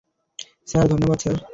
Sir, ধন্যবাদ, sir.